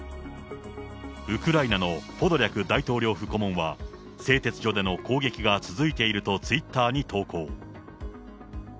ウクライナのポドリャク大統領府顧問は製鉄所での攻撃が続いているとツイッターに投稿。